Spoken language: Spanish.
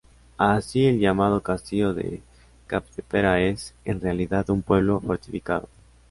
Así el llamado Castillo de Capdepera es, en realidad un pueblo fortificado.